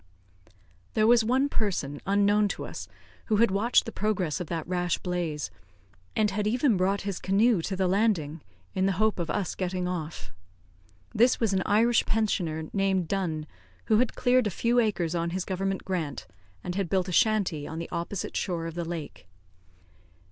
There was one person unknown to us, who had watched the progress of that rash blaze, and had even brought his canoe to the landing, in the hope of us getting off. This was an Irish pensioner named Dunn, who had cleared a few acres on his government grant, and had built a shanty on the opposite shore of the lake.